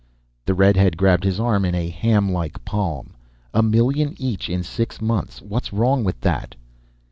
The redhead grabbed his arm in a hamlike palm. "A million each in six months; what's wrong with that?"